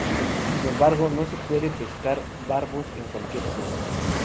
Sin embargo, no se puede pescar barbos en cualquier punto.